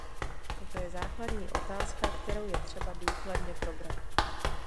Toto je základní otázka, kterou je třeba důkladně probrat.